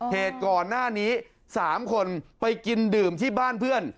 เหตุก่อนหน้านี้๓คนไปกินดื่มที่บ้านเพื่อน